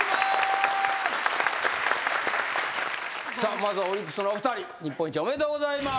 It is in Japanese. まずはオリックスのお二人日本一おめでとうございます。